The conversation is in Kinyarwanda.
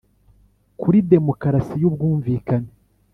Kuri demokarasi y'ubwumvikane